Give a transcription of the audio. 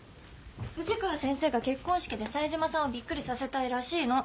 藤川先生が結婚式で冴島さんをびっくりさせたいらしいの。